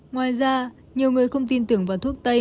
ngoài ra nhiều người không tin tưởng vào thuốc tây